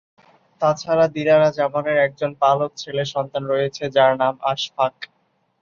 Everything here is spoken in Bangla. তাছাড়া দিলারা জামানের একজন পালক ছেলে সন্তান রয়েছে, যার নাম আশফাক।